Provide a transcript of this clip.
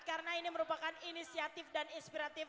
karena ini merupakan inisiatif dan inspiratif